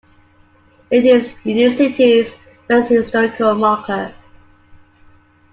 It is Union City's first historical marker.